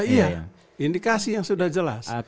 iya indikasi yang sudah jelas